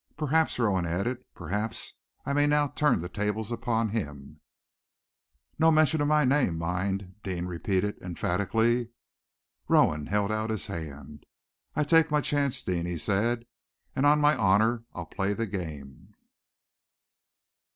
Perhaps," Rowan added, "perhaps I may now turn the tables upon him." "No mention of my name, mind," Deane repeated emphatically. Rowan held out his hand. "I take my chance, Deane," he said, "and on my honor I'll play the game."